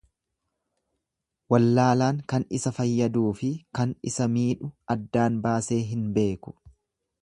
Wallaalaan kan isa fayyaduufi kan isa miidhu addaan baasee hin beeku.